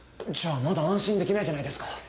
じゃあまだ安心できないじゃないですか。